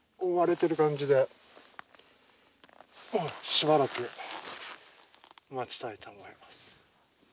しばらく待ちたいと思います。